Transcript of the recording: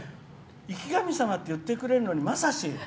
生き神様って言ってくれるのにまさし！